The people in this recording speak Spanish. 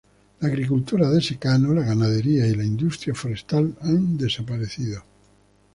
La agricultura de secano, la ganadería y la industria forestal han desaparecido.